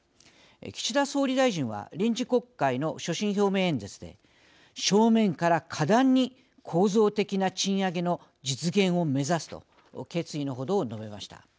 岸田総理大臣は臨時国会の所信表明演説で「正面から果断に構造的な賃上げの実現を目指す」と決意の程を述べました。